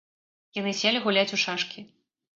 Яны селі гуляць у шашкі.